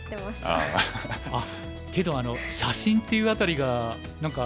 あっけど写真っていうあたりが何か。